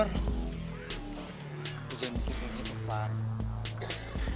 jangan bikin begitu van